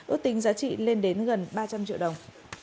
ước tính giá trị lên đến gần ba trăm linh triệu đồng